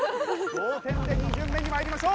同点で２巡目にまいりましょう！